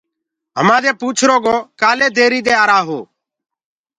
همآ دي پوڇرو گو ڪآلي ليٽ آرآ هو۔